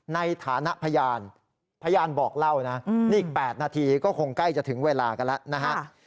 ในฐานะพยานพยานบอกเล่านะนี่อีก๘นาทีก็คงใกล้จะถึงเวลากันแล้วนะฮะ